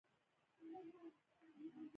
چې د چا خوښه وي نو خپلو ماشومانو له دې